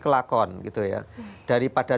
kelakon gitu ya daripada